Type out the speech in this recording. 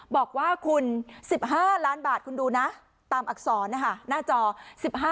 บอกว่าคุณ๑๕ล้านบาทคุณดูนะตามอักษรนะคะหน้าจอ